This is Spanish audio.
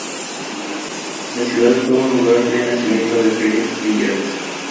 La ciudad fue el lugar de nacimiento de Felix Villars.